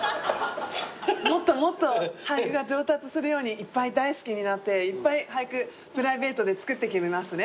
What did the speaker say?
もっともっと俳句が上達するようにいっぱい大好きになっていっぱい俳句プライベートで作ってきますね。